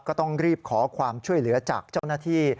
ก็ต้องรีบขอความช่วยเหลือจากเจ้าหน้าที่